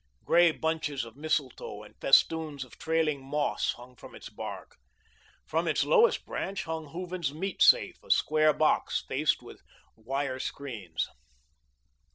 Grey bunches of mistletoe and festoons of trailing moss hung from its bark. From its lowest branch hung Hooven's meat safe, a square box, faced with wire screens.